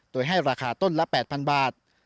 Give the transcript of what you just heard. โดยให้ราคาต้นละ๘๐๐บาท